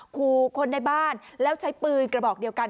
ขู่คนในบ้านแล้วใช้ปืนกระบอกเดียวกัน